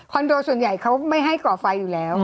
โดส่วนใหญ่เขาไม่ให้ก่อไฟอยู่แล้ว